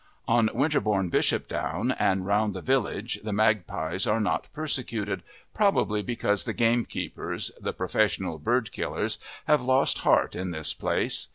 On Winterbourne Bishop Down and round the village the magpies are not persecuted, probably because the gamekeepers, the professional bird killers, have lost heart in this place.